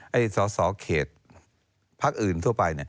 สสเขตพักอื่นทั่วไป